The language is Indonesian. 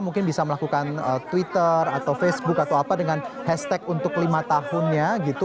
mungkin bisa melakukan twitter atau facebook atau apa dengan hashtag untuk lima tahunnya gitu